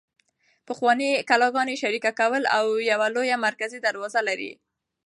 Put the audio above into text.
پخوانۍ کلاګانې شریکه کوڅه او یوه لویه مرکزي دروازه لري.